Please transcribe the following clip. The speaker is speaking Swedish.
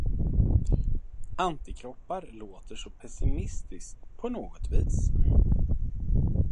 Antikroppar låter så pessimistiskt, på något vis.